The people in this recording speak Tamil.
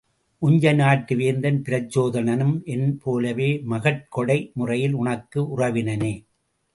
உஞ்சை நாட்டு வேந்தன் பிரச்சோதனனும் என் போலவே மகட் கொடை முறையில் உனக்கு உறவினனே.